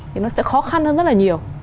thì nó sẽ khó khăn hơn rất là nhiều